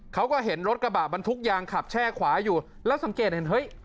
เขาก็เห็นรถกระบะบรรทุกยางขับแช่ขวาอยู่แล้วสังเกตเห็นเฮ้ย